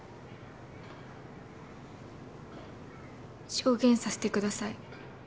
証言させてください。